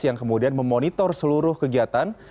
yang kemudian memonitor seluruh kegiatan